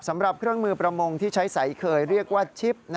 สำหรับเครื่องมือประมงที่ใช้ใสเคยเรียกว่าชิป